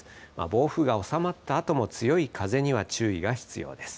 暴風が収まったあとも、強い風には注意が必要です。